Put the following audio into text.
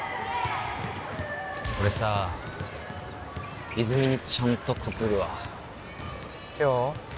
俺さ泉にちゃんと告るわ今日？